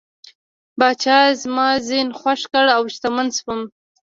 پاچا زما زین خوښ کړ او شتمن شوم.